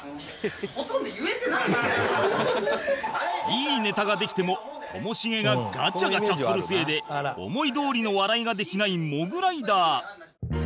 いいネタができてもともしげがガチャガチャするせいで思いどおりの笑いができないモグライダー